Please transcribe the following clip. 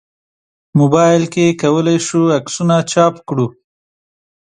موبایل کې کولای شو عکسونه چاپ کړو.